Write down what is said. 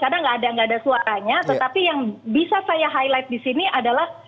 karena nggak ada suaranya tetapi yang bisa saya highlight di sini adalah